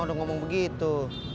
mak udah ngomong begitu